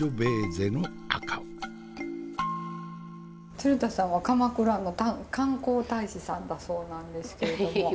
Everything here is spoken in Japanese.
鶴田さんは鎌倉の観光大使さんだそうなんですけれども。